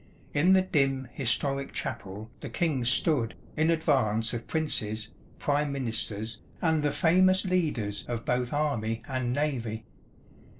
In the dim, historic chapel the king stood, in advance of princes, prime ministers, and the famous leaders of both army and navy.